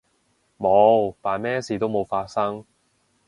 冇，扮咩事都冇發生